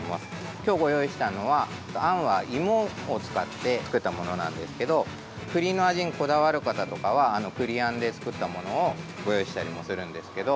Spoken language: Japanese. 今日、ご用意したのはあんは芋を使って作ったものなんですけど栗の味にこだわる方とかは栗あんで作ったものをご用意したりもするんですけど。